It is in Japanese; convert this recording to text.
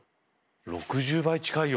６０倍近いよ。